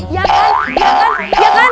ya kan ya kan ya kan